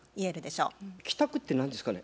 「きたく」って何ですかね？